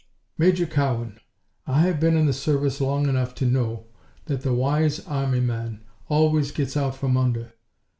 "Major Cowan, I have been in the service long enough to know that the wise army man always gets out from under.